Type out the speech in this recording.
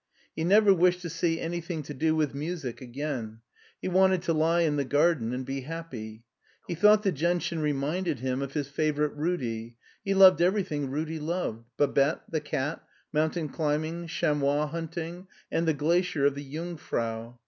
He never wished to see anything to do with music again; he wanted to lie in the garden and be happy. He thought the gentian reminded him of his favorite Rudi: he loved everything Rudi loved — Babette, the cat, mountain climbing, chamois hunting, and the glacier of the Jungf rau.